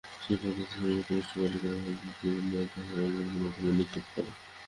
সেই বিপদের সময় কনিষ্ঠা বালিকা আমিনাকে পিতা স্বয়ং নদীমধ্যে নিক্ষেপ করেন।